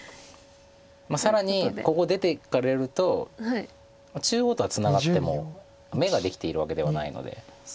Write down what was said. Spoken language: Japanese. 更にここ出ていかれると中央とはツナがっても眼ができているわけではないので。